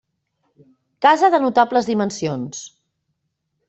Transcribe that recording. Casa de notables dimensions.